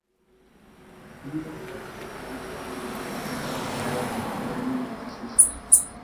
He was married to Angelica "Cookie" Spione, but had many mistresses, including Theresa Ferrara.